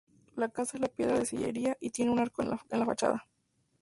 La casa es de piedra de sillería y tiene un arco en la fachada.